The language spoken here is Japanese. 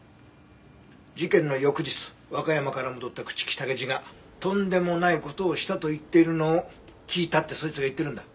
事件の翌日和歌山から戻った朽木武二がとんでもない事をしたと言っているのを聞いたってそいつが言ってるんだ。